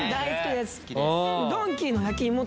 好きです